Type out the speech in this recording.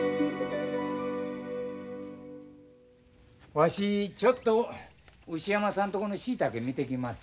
わしちょっと牛山さんとこの椎茸見てきます。